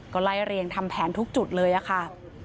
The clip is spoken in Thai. ก็ไล่เรียงทำแผนทุกจุดเลยค่ะ